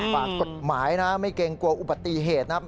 ฝากกฎหมายนะไม่เกรงกลัวอุบัติเหตุนะครับ